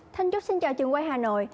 thân chúc xin chào trường quay hà nội